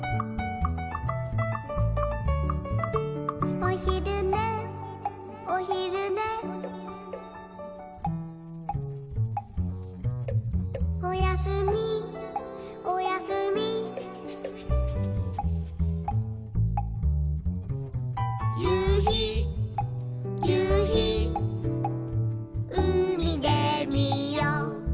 「おひるねおひるね」「おやすみおやすみ」「ゆうひゆうひうみでみよう」